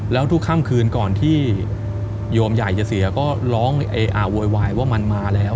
แล้วทุกค่ำคืนก่อนที่โยมใหญ่จะเสียก็ร้องโวยวายว่ามันมาแล้ว